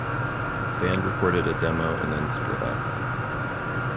The band recorded a demo and then split up.